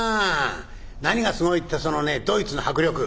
何がすごいってそのねドイツの迫力。